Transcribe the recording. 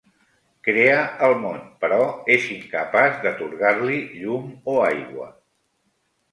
Crea el món però és incapaç d'atorgar-li llum o aigua.